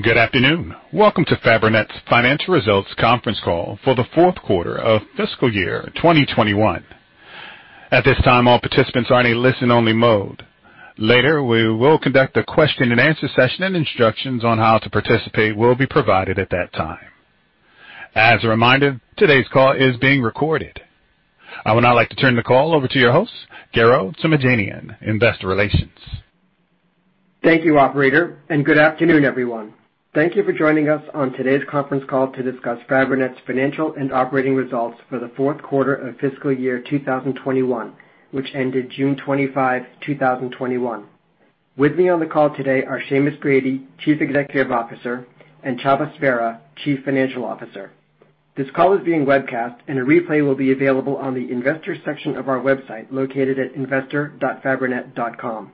Good afternoon. Welcome to Fabrinet's Financial Results conference call for the fourth quarter of fiscal year 2021. At this time, all participants are in a listen-only mode. Later, we will conduct a question and answer session, and instructions on how to participate will be provided at that time. As a reminder, today's call is being recorded. I would now like to turn the call over to your host, Garo Toomajanian, Investor Relations. Thank you, operator. Good afternoon, everyone. Thank you for joining us on today's conference call to discuss Fabrinet's financial and operating results for the fourth quarter of fiscal year 2021, which ended June 25, 2021. With me on the call today are Seamus Grady, Chief Executive Officer, and Csaba Sverha, Chief Financial Officer. This call is being webcast, and a replay will be available on the Investors section of our website, located at investor.fabrinet.com.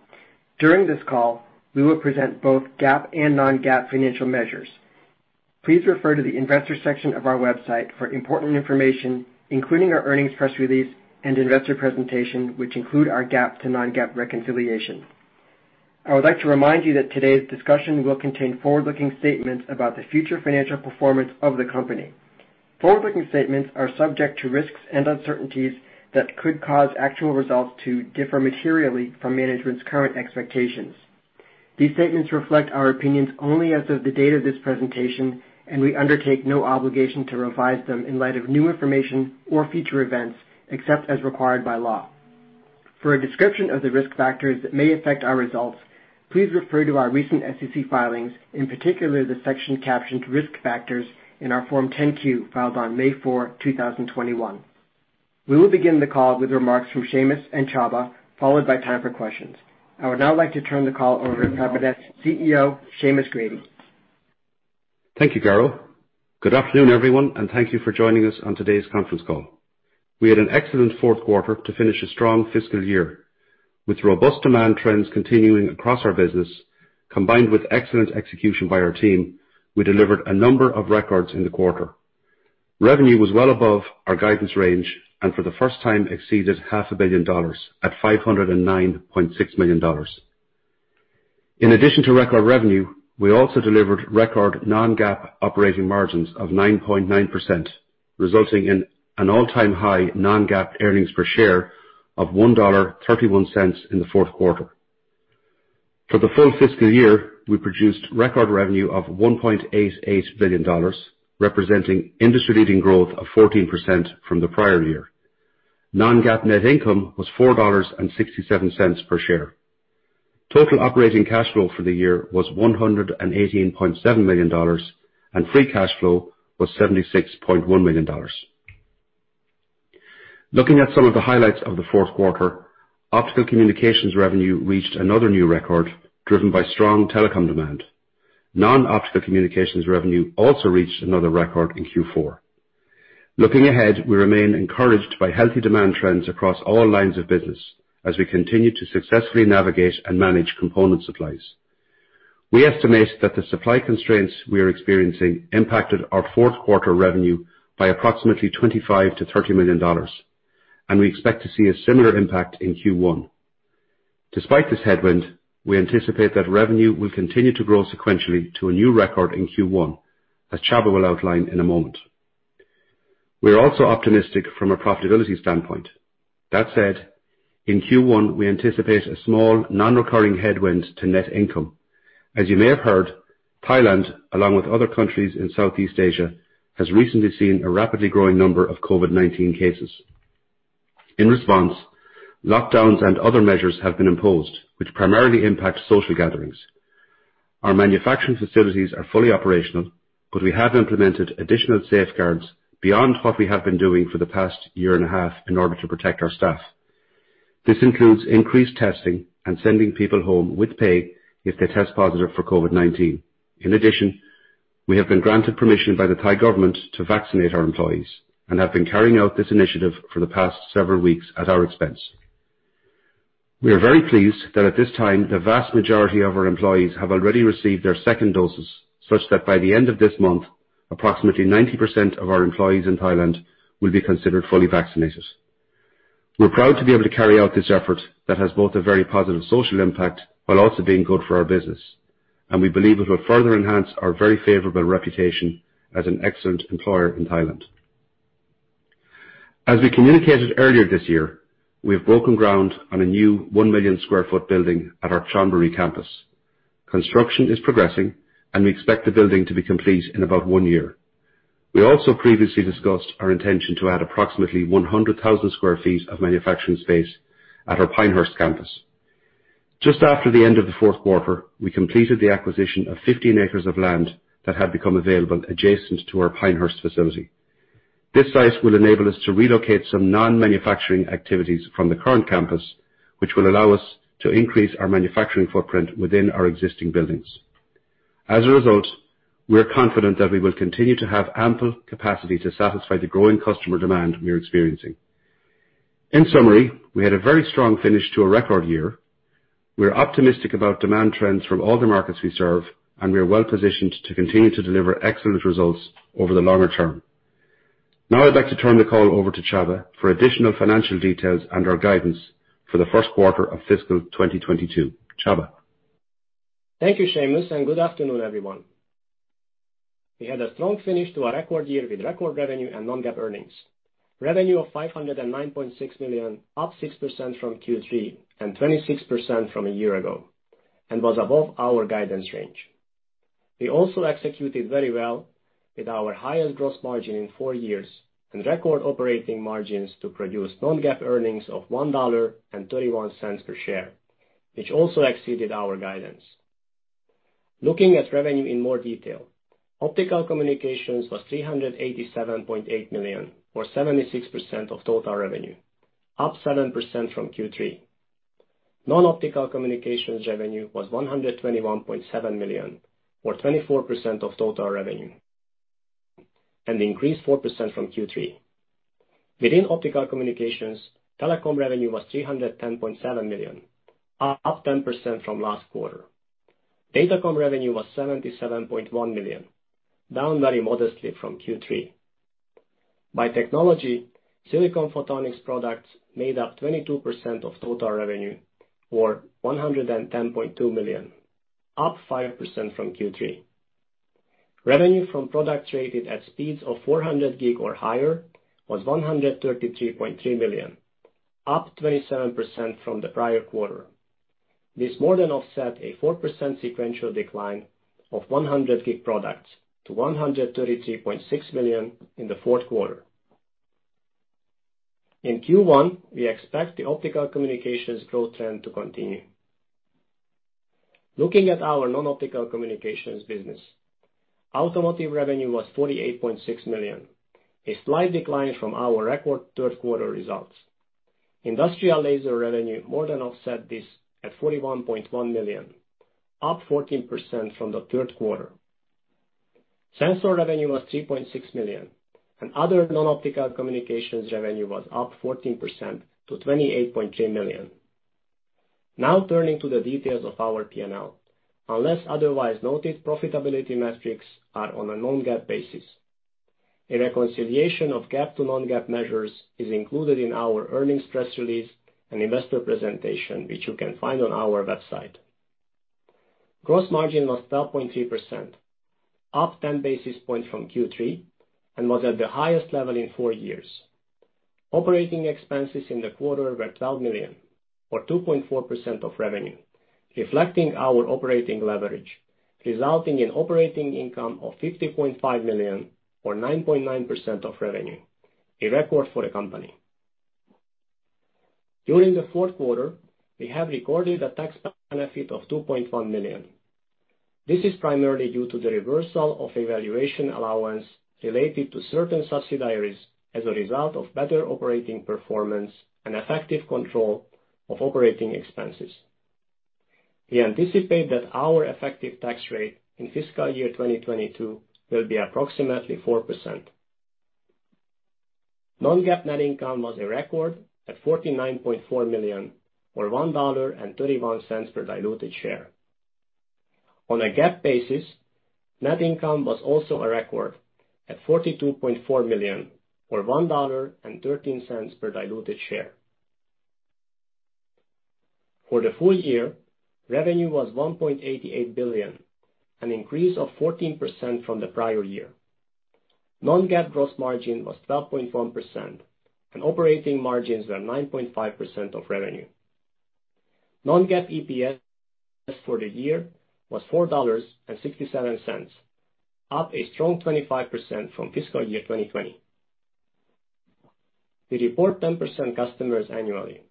During this call, we will present both GAAP and non-GAAP financial measures. Please refer to the Investors section of our website for important information, including our earnings press release and investor presentation, which include our GAAP to non-GAAP reconciliation. I would like to remind you that today's discussion will contain forward-looking statements about the future financial performance of the company. Forward-looking statements are subject to risks and uncertainties that could cause actual results to differ materially from management's current expectations. These statements reflect our opinions only as of the date of this presentation, we undertake no obligation to revise them in light of new information or future events, except as required by law. For a description of the risk factors that may affect our results, please refer to our recent SEC filings, in particular, the section captioned "Risk Factors" in our Form 10-Q filed on May 4, 2021. We will begin the call with remarks from Seamus and Csaba, followed by time for questions. I would now like to turn the call over to Fabrinet's CEO, Seamus Grady. Thank you, Garo. Good afternoon, everyone, and thank you for joining us on today's conference call. We had an excellent fourth quarter to finish a strong fiscal year. With robust demand trends continuing across our business, combined with excellent execution by our team, we delivered a number of records in the quarter. Revenue was well above our guidance range, and for the first time exceeded half a billion dollars at $509.6 million. In addition to record revenue, we also delivered record non-GAAP operating margins of 9.9%, resulting in an all-time high non-GAAP earnings per share of $1.31 in the fourth quarter. For the full fiscal year, we produced record revenue of $1.88 billion, representing industry-leading growth of 14% from the prior year. Non-GAAP net income was $4.67 per share. Total operating cash flow for the year was $118.7 million, and free cash flow was $76.1 million. Looking at some of the highlights of the fourth quarter, Optical Communications revenue reached another new record, driven by strong Telecom demand. Non-Optical Communications revenue also reached another record in Q4. Looking ahead, we remain encouraged by healthy demand trends across all lines of business as we continue to successfully navigate and manage component supplies. We estimate that the supply constraints we are experiencing impacted our fourth quarter revenue by approximately $25 million-$30 million, and we expect to see a similar impact in Q1. Despite this headwind, we anticipate that revenue will continue to grow sequentially to a new record in Q1, as Csaba will outline in a moment. We are also optimistic from a profitability standpoint. That said, in Q1, we anticipate a small, non-recurring headwind to net income. As you may have heard, Thailand, along with other countries in Southeast Asia, has recently seen a rapidly growing number of COVID-19 cases. In response, lockdowns and other measures have been imposed, which primarily impact social gatherings. Our manufacturing facilities are fully operational, but we have implemented additional safeguards beyond what we have been doing for the past one and a half years in order to protect our staff. This includes increased testing and sending people home with pay if they test positive for COVID-19. In addition, we have been granted permission by the Thai government to vaccinate our employees and have been carrying out this initiative for the past several weeks at our expense. We are very pleased that at this time, the vast majority of our employees have already received their second doses, such that by the end of this month, approximately 90% of our employees in Thailand will be considered fully vaccinated. We're proud to be able to carry out this effort that has both a very positive social impact while also being good for our business, and we believe it will further enhance our very favorable reputation as an excellent employer in Thailand. As we communicated earlier this year, we have broken ground on a new 1-million-square-foot building at our Chonburi campus. Construction is progressing, and we expect the building to be complete in about one year. We also previously discussed our intention to add approximately 100,000 sq ft of manufacturing space at our Pinehurst campus. Just after the end of the fourth quarter, we completed the acquisition of 15 acres of land that had become available adjacent to our Pinehurst facility. This site will enable us to relocate some non-manufacturing activities from the current campus, which will allow us to increase our manufacturing footprint within our existing buildings. As a result, we are confident that we will continue to have ample capacity to satisfy the growing customer demand we are experiencing. In summary, we had a very strong finish to a record year. We are optimistic about demand trends from all the markets we serve, and we are well-positioned to continue to deliver excellent results over the longer term. Now I'd like to turn the call over to Csaba Sverha for additional financial details and our guidance for the first quarter of fiscal 2022. Csaba? Thank you, Seamus, and good afternoon, everyone. We had a strong finish to a record year with record revenue and non-GAAP earnings. Revenue of $509.6 million, up 6% from Q3 and 26% from a year ago, and was above our guidance range. We also executed very well with our highest gross margin in four years and record operating margins to produce non-GAAP earnings of $1.31 per share, which also exceeded our guidance. Looking at revenue in more detail, Optical Communications was $387.8 million or 76% of total revenue, up 7% from Q3. Non-Optical Communications revenue was $121.7 million, or 24% of total revenue, and increased 4% from Q3. Within Optical Communications, Telecom revenue was $310.7 million, up 10% from last quarter. Datacom revenue was $77.1 million, down very modestly from Q3. By technology, silicon photonics products made up 22% of total revenue, or $110.2 million, up 5% from Q3. Revenue from products rated at speeds of 400G or higher was $133.3 million, up 27% from the prior quarter. This more than offset a 4% sequential decline of 100G products to $133.6 million in the fourth quarter. In Q1, we expect the Optical Communications growth trend to continue. Looking at our Non-Optical Communications business, Automotive revenue was $48.6 million, a slight decline from our record third quarter results. Industrial Laser revenue more than offset this at $41.1 million, up 14% from the third quarter. Sensor revenue was $3.6 million, and other Non-Optical Communications revenue was up 14% to $28.3 million. Now turning to the details of our P&L. Unless otherwise noted, profitability metrics are on a non-GAAP basis. A reconciliation of GAAP to non-GAAP measures is included in our earnings press release and investor presentation, which you can find on our website. Gross margin was 12.3%, up 10 basis points from Q3 and was at the highest level in four years. Operating expenses in the quarter were $12 million or 2.4% of revenue, reflecting our operating leverage, resulting in operating income of $50.5 million or 9.9% of revenue, a record for the company. During the fourth quarter, we have recorded a tax benefit of $2.1 million. This is primarily due to the reversal of a valuation allowance related to certain subsidiaries as a result of better operating performance and effective control of operating expenses. We anticipate that our effective tax rate in fiscal year 2022 will be approximately 4%. Non-GAAP net income was a record at $49.4 million, or $1.31 per diluted share. On a GAAP basis, net income was also a record at $42.4 million, or $1.13 per diluted share. For the full year, revenue was $1.88 billion, an increase of 14% from the prior year. Non-GAAP gross margin was 12.1%, and operating margins were 9.5% of revenue. Non-GAAP EPS for the year was $4.67, up a strong 25% from fiscal year 2020. We report 10% customers annually,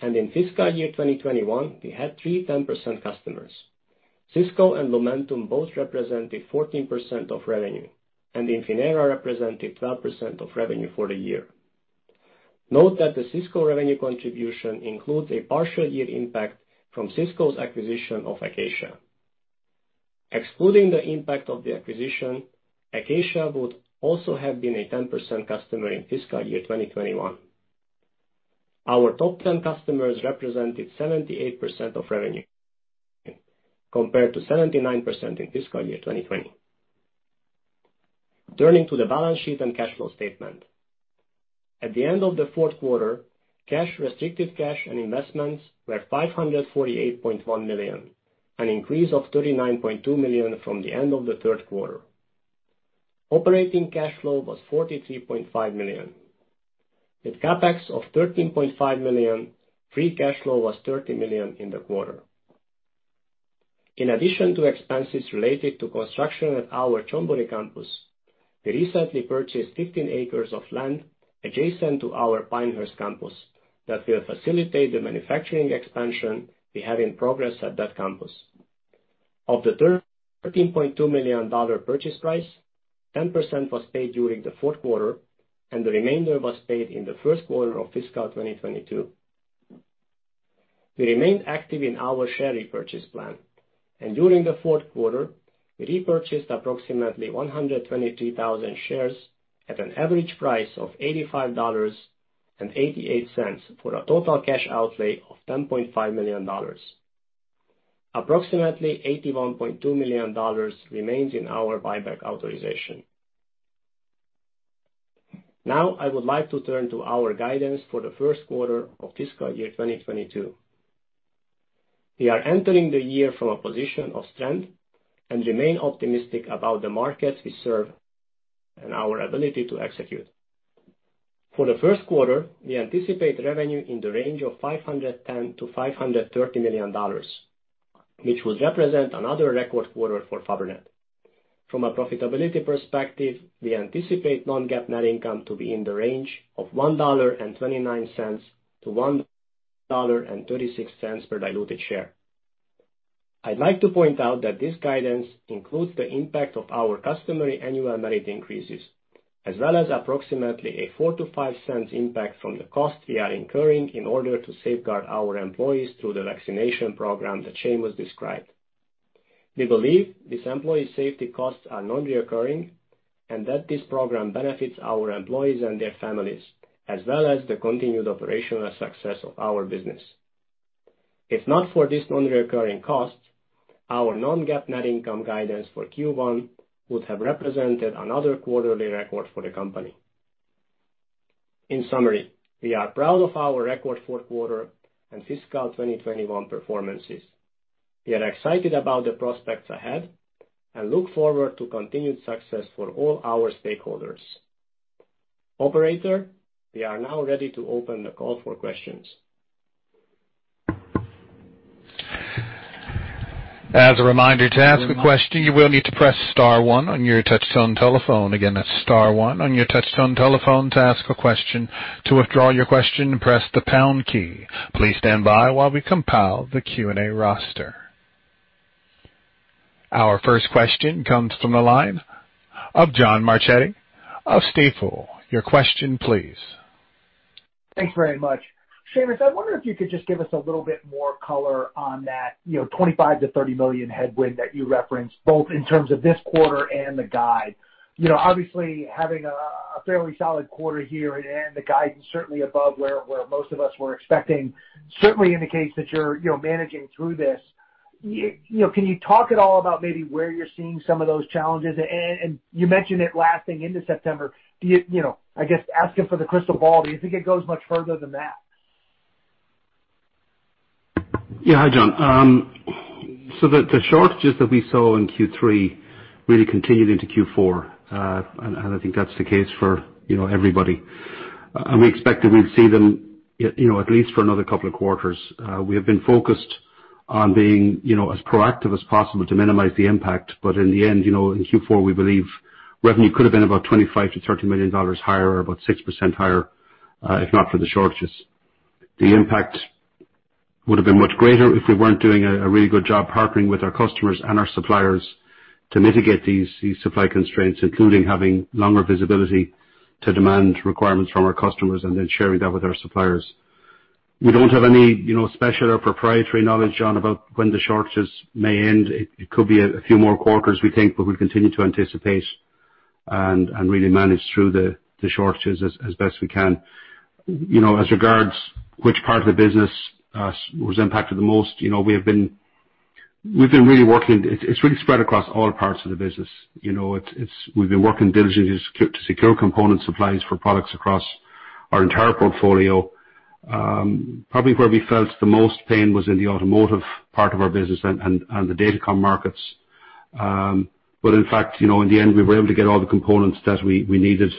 and in fiscal year 2021, we had three 10% customers. Cisco and Lumentum both represented 14% of revenue, and Infinera represented 12% of revenue for the year. Note that the Cisco revenue contribution includes a partial year impact from Cisco's acquisition of Acacia. Excluding the impact of the acquisition, Acacia would also have been a 10% customer in fiscal year 2021. Our top 10 customers represented 78% of revenue compared to 79% in fiscal year 2020. Turning to the balance sheet and cash flow statement. At the end of the fourth quarter, cash, restricted cash, and investments were $548.1 million, an increase of $39.2 million from the end of the third quarter. Operating cash flow was $43.5 million. With CapEx of $13.5 million, free cash flow was $30 million in the quarter. In addition to expenses related to construction at our Chonburi campus, we recently purchased 15 acres of land adjacent to our Pinehurst campus that will facilitate the manufacturing expansion we have in progress at that campus. Of the $13.2 million purchase price, 10% was paid during the fourth quarter and the remainder was paid in the first quarter of fiscal 2022. We remained active in our share repurchase plan. During the fourth quarter, we repurchased approximately 123,000 shares at an average price of $85.88 for a total cash outlay of $10.5 million. Approximately $81.2 million remains in our buyback authorization. Now, l would like to turn to our guidance for the first quarter of fiscal year 2022. We are entering the year from a position of strength and remain optimistic about the markets we serve and our ability to execute. For the first quarter, we anticipate revenue in the range of $510 million-$530 million, which would represent another record quarter for Fabrinet. From a profitability perspective, we anticipate non-GAAP net income to be in the range of $1.29-$1.36 per diluted share. I'd like to point out that this guidance includes the impact of our customary annual merit increases, as well as approximately a $0.04-$0.05 impact from the cost we are incurring in order to safeguard our employees through the vaccination program that Seamus described. We believe these employee safety costs are non-recurring and that this program benefits our employees and their families, as well as the continued operational success of our business. If not for this non-recurring cost, our non-GAAP net income guidance for Q1 would have represented another quarterly record for the company. In summary, we are proud of our record fourth quarter and fiscal 2021 performances. We are excited about the prospects ahead and look forward to continued success for all our stakeholders. Operator, we are now ready to open the call for questions. As a reminder, to ask a question you will need to press star one on you touchtone telephone, if you are using a speakerphone, please pick up your handset before pressing the keys, to withdraw your question please press star two. Our first question comes from the line of John Marchetti of Stifel. Your question, please. Thanks very much. Seamus, I wonder if you could just give us a little bit more color on that $25 million-$30 million headwind that you referenced, both in terms of this quarter and the guide. Obviously, having a fairly solid quarter here and the guidance certainly above where most of us were expecting certainly indicates that you're managing through this. Can you talk at all about maybe where you're seeing some of those challenges? You mentioned it lasting into September. I guess asking for the crystal ball, do you think it goes much further than that? Hi, John. The shortages that we saw in Q3 really continued into Q4. I think that's the case for everybody. We expect that we'll see them at least for another couple of quarters. We have been focused on being as proactive as possible to minimize the impact. In the end, in Q4, we believe revenue could have been about $25 million-$30 million higher or about 6% higher if not for the shortages. The impact would have been much greater if we weren't doing a really good job partnering with our customers and our suppliers to mitigate these supply constraints, including having longer visibility to demand requirements from our customers and then sharing that with our suppliers. We don't have any special or proprietary knowledge, John, about when the shortages may end. It could be a few more quarters, we think, but we'll continue to anticipate and really manage through the shortages as best we can. As regards which part of the business was impacted the most, it's really spread across all parts of the business. We've been working diligently to secure component supplies for products across our entire portfolio. Probably where we felt the most pain was in the Automotive part of our business and the Datacom markets. In fact, in the end, we were able to get all the components that we needed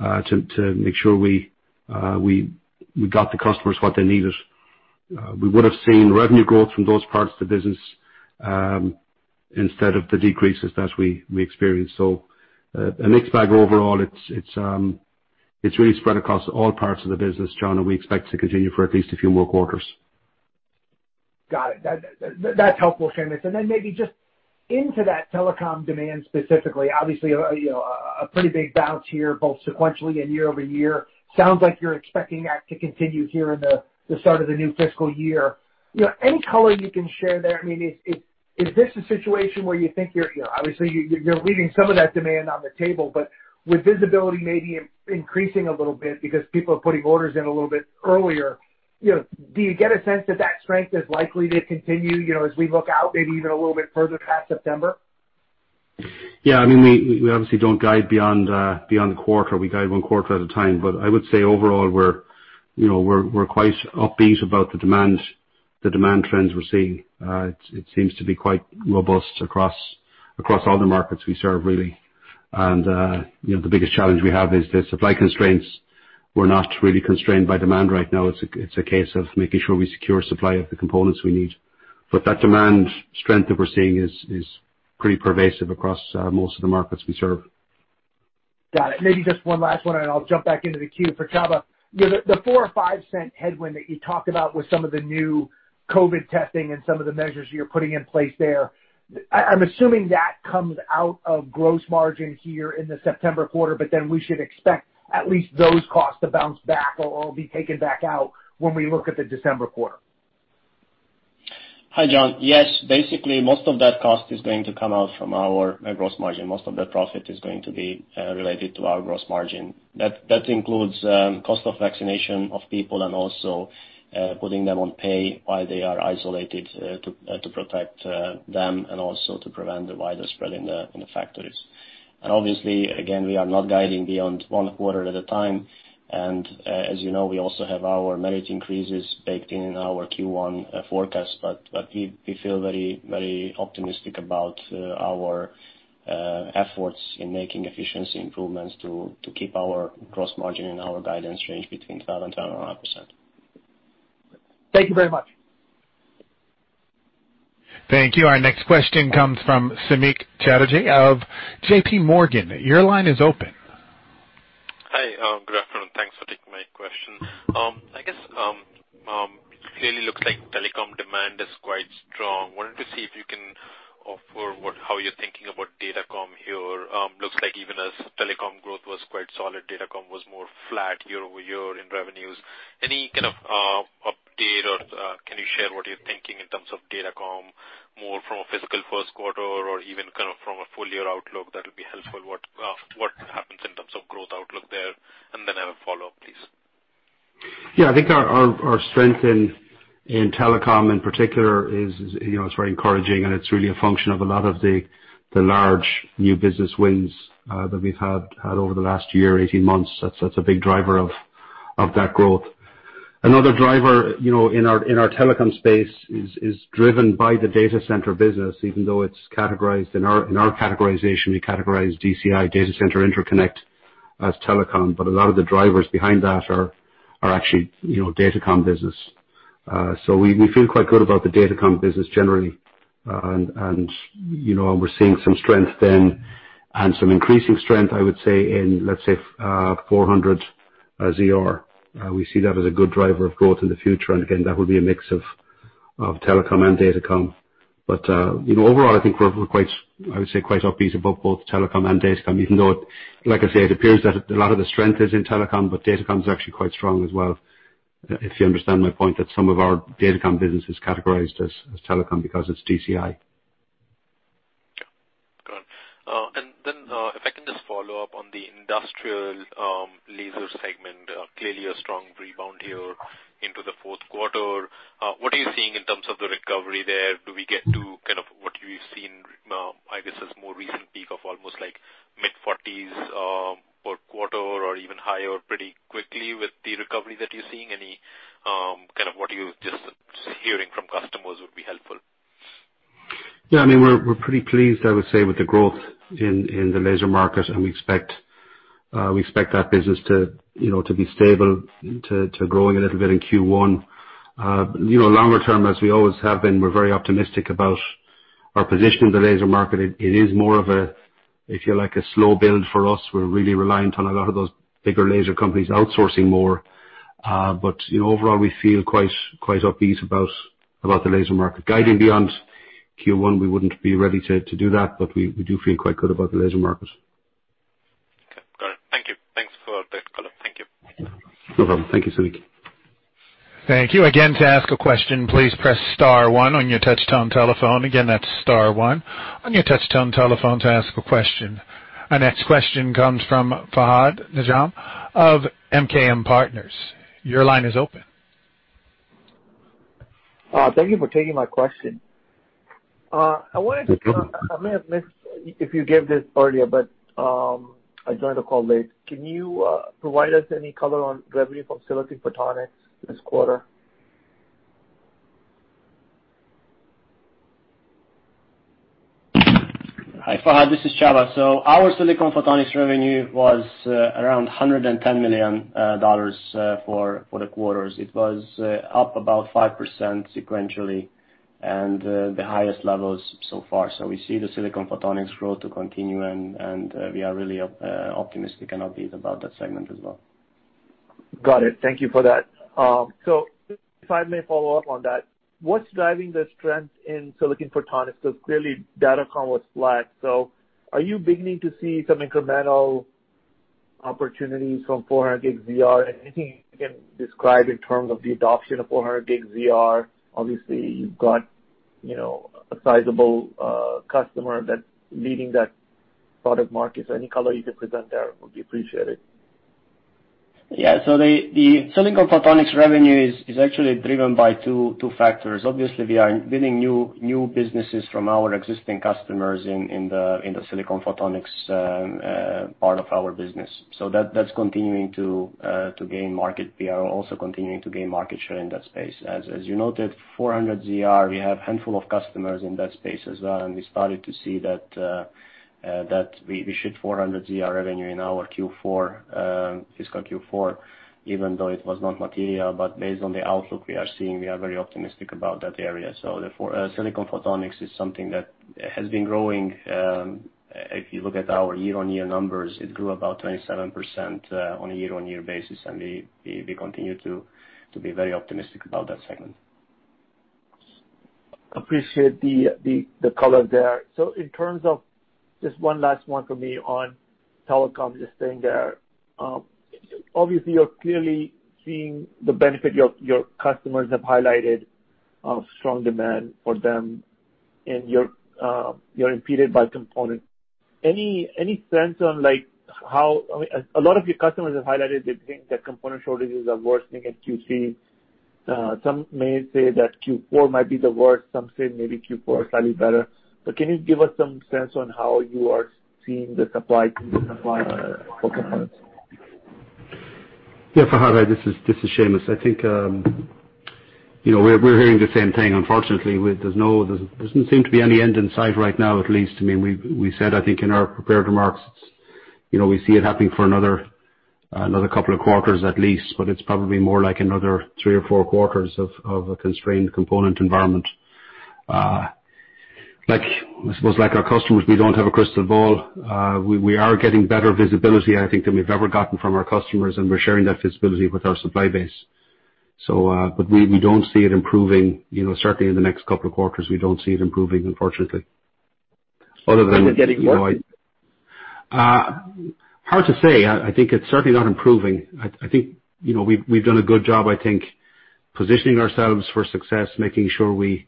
to make sure we got the customers what they needed. We would have seen revenue growth from those parts of the business instead of the decreases that we experienced. A mixed bag overall. It's really spread across all parts of the business, John, and we expect it to continue for at least a few more quarters. Got it. That's helpful, Seamus. Maybe just into that telecom demand specifically, obviously a pretty big bounce here, both sequentially and year-over-year. Sounds like you're expecting that to continue here in the start of the new fiscal year. Any color you can share there? Is this a situation where you think you're obviously leaving some of that demand on the table, but with visibility maybe increasing a little bit because people are putting orders in a little bit earlier, do you get a sense that strength is likely to continue, as we look out maybe even a little bit further past September? Yeah. We obviously don't guide beyond the quarter. We guide one quarter at a time. I would say overall, we're quite upbeat about the demand trends we're seeing. It seems to be quite robust across all the markets we serve, really. The biggest challenge we have is the supply constraints. We're not really constrained by demand right now. It's a case of making sure we secure supply of the components we need. That demand strength that we're seeing is pretty pervasive across most of the markets we serve. Got it. Maybe just one last one, and I'll jump back into the queue. For Csaba, the $0.04 or $0.05 headwind that you talked about with some of the new COVID testing and some of the measures you're putting in place there, I'm assuming that comes out of gross margin here in the September quarter. We should expect at least those costs to bounce back or be taken back out when we look at the December quarter. Hi, John. Yes, basically, most of that cost is going to come out from our gross margin. Most of that profit is going to be related to our gross margin. That includes cost of vaccination of people and also putting them on pay while they are isolated to protect them and also to prevent the wider spread in the factories. Obviously, again, we are not guiding beyond one quarter at a time. As you know, we also have our merit increases baked in our Q1 forecast. We feel very optimistic about our efforts in making efficiency improvements to keep our gross margin and our guidance range between 12% and 12.5%. Thank you very much. Thank you. Our next question comes from Samik Chatterjee of JP Morgan. Your line is open. Hi. Good afternoon. Thanks for taking my question. I guess it clearly looks like Telecom demand is quite strong. Wanted to see if you can offer how you're thinking about Datacom here. Looks like even as Telecom growth was quite solid, Datacom was more flat year-over-year in revenues. Any kind of update or can you share what you're thinking in terms of Datacom more from a fiscal first quarter or even kind of from a full-year outlook that will be helpful, what happens in terms of growth outlook there? Then I have a follow-up, please. Yeah, I think our strength in Telecom in particular is very encouraging and it's really a function of a lot of the large new business wins that we've had over the last year, 18 months. That's a big driver of that growth. Another driver in our Telecom space is driven by the Data Center business, even though in our categorization, we categorize DCI, Data Center Interconnect, as Telecom. A lot of the drivers behind that are actually Datacom business. We feel quite good about the Datacom business generally. We're seeing some strength then and some increasing strength, I would say, in, let's say, 400ZR. We see that as a good driver of growth in the future. Again, that would be a mix of Telecom and Datacom. Overall, I think we're quite, I would say, quite upbeat about both Telecom and Datacom, even though, like I say, it appears that a lot of the strength is in Telecom, but Datacom is actually quite strong as well, if you understand my point that some of our Datacom business is categorized as Telecom because it's DCI. Got it. If I can just follow up on the Industrial Laser segment, clearly a strong rebound here into the fourth quarter. What are you seeing in terms of the recovery there? Do we get to kind of what we've seen, I guess, as more recent peak of almost like mid-40s per quarter or even higher pretty quickly with the recovery that you're seeing? Any kind of what you just hearing from customers would be helpful. Yeah. We're pretty pleased, I would say, with the growth in the laser market, and we expect that business to be stable, to growing a little bit in Q1. Longer term, as we always have been, we're very optimistic about our position in the laser market. It is more of a, if you like, a slow build for us. We're really reliant on a lot of those bigger laser companies outsourcing more. Overall, we feel quite upbeat about the laser market. Guiding beyond Q1, we wouldn't be ready to do that, but we do feel quite good about the laser market. Okay, got it. Thank you. Thanks for that color. Thank you. No problem. Thank you, Samik. Thank you. Again, to ask a question, please press star one on your touch-tone telephone. Again, that's star one on your touch-tone telephone to ask a question. Our next question comes from Fahad Najam of MKM Partners. Your line is open. Thank you for taking my question. I may have missed if you gave this earlier, but I joined the call late. Can you provide us any color on revenue from silicon photonics this quarter? Hi, Fahad, this is Csaba Sverha. Our silicon photonics revenue was around $110 million for the quarters. It was up about 5% sequentially and the highest levels so far. We see the silicon photonics growth to continue and we are really optimistic and upbeat about that segment as well. Got it. Thank you for that. If I may follow up on that, what's driving the strength in silicon photonics? Because clearly datacom was flat. Are you beginning to see some incremental opportunities from 400ZR? Anything you can describe in terms of the adoption of 400ZR? Obviously, you've got a sizable customer that's leading that product market, any color you can present there would be appreciated. The silicon photonics revenue is actually driven by two factors. Obviously, we are winning new businesses from our existing customers in the silicon photonics part of our business. That's continuing to gain market. We are also continuing to gain market share in that space. As you noted, 400ZR, we have handful of customers in that space as well, and we started to see that we shipped 400ZR revenue in our fiscal Q4, even though it was not material. Based on the outlook we are seeing, we are very optimistic about that area. Therefore, silicon photonics is something that has been growing. If you look at our year-on-year numbers, it grew about 27% on a year-on-year basis, and we continue to be very optimistic about that segment. Appreciate the color there. Just one last one for me on telecom, just staying there. Obviously, you're clearly seeing the benefit your customers have highlighted of strong demand for them and you're impeded by component. A lot of your customers have highlighted they think that component shortages are worsening in Q3. Some may say that Q4 might be the worst, some say maybe Q4 is slightly better. Can you give us some sense on how you are seeing the supply for components? Yeah, Fahad, this is Seamus. I think we're hearing the same thing, unfortunately. There doesn't seem to be any end in sight right now, at least. We said, I think, in our prepared remarks, we see it happening for another two quarters at least, but it's probably more like another three or four quarters of a constrained component environment. I suppose like our customers, we don't have a crystal ball. We are getting better visibility, I think, than we've ever gotten from our customers, and we're sharing that visibility with our supply base. We don't see it improving, certainly in the next two quarters, we don't see it improving, unfortunately. Is it getting worse? Hard to say. I think it's certainly not improving. I think we've done a good job, I think, positioning ourselves for success, making sure we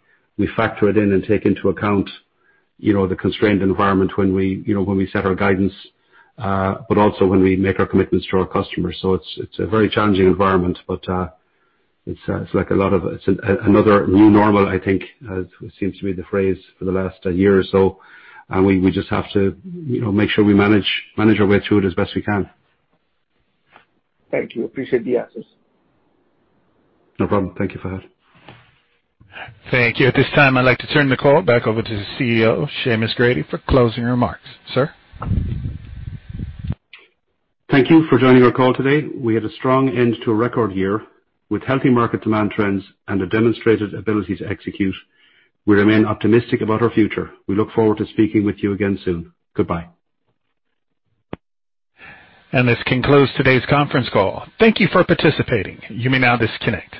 factor it in and take into account the constrained environment when we set our guidance, but also when we make our commitments to our customers. It's a very challenging environment, but it's another new normal, I think, seems to be the phrase for the last year or so, and we just have to make sure we manage our way through it as best we can. Thank you. Appreciate the answers. No problem. Thank you, Fahad. Thank you. At this time, I'd like to turn the call back over to the CEO, Seamus Grady, for closing remarks. Sir? Thank you for joining our call today. We had a strong end to a record year with healthy market demand trends and a demonstrated ability to execute. We remain optimistic about our future. We look forward to speaking with you again soon. Goodbye. This concludes today's conference call. Thank you for participating. You may now disconnect.